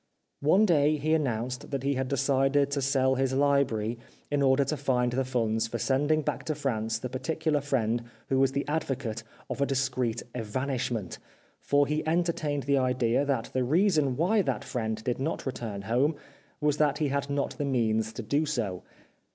One day he announced that he had decided to sell his library in order to find the funds for sending back to France the particular friend who was the advocate of a discreet evanishment, for he entertained the idea that the reason why that friend did not return home was that he had not the means to do so.